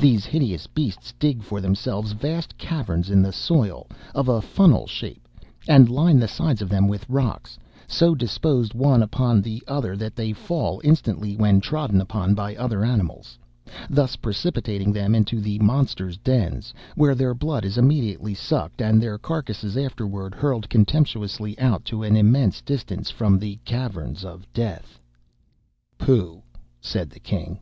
These hideous beasts dig for themselves vast caverns in the soil, of a funnel shape, and line the sides of them with rocks, so disposed one upon the other that they fall instantly, when trodden upon by other animals, thus precipitating them into the monster's dens, where their blood is immediately sucked, and their carcasses afterwards hurled contemptuously out to an immense distance from "the caverns of death."'" (*9) "Pooh!" said the king.